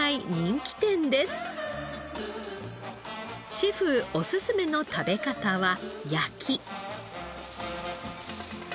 シェフおすすめの食べ方は焼き。